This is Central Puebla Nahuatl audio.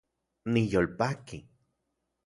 Niyolpaki